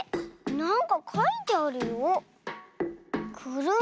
なんかかいてあるよ。